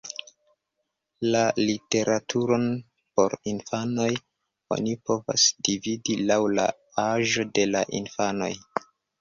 La literaturon por infanoj oni povas dividi laŭ la aĝo de la infanoj.